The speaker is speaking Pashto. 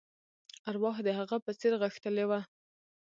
ارواح د هغه په څېر غښتلې وه.